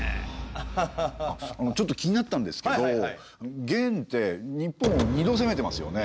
あっちょっと気になったんですけど元って日本を２度攻めてますよね。